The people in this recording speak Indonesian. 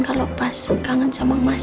kalau pas kangen sama mas